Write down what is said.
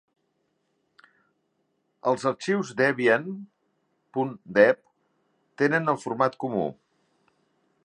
Els arxius debian ".deb" tenen el format comú.